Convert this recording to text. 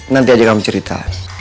nanti aja kamu cerita